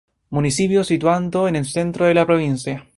Municipio situando en el centro de la provincia.